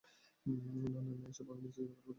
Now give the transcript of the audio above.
না, না এইসব আমি নিজেই যোগাড় করে ফেলবো।